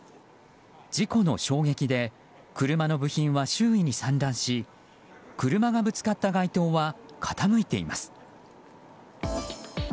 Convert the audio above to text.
事故の衝撃で車の部品は周囲に散乱し車がぶつかった街灯は傾いています。